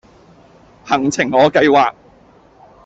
行程我計劃